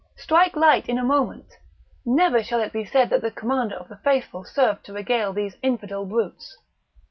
strike light in a moment! never shall it be said that the Commander of the Faithful served to regale these infidel brutes."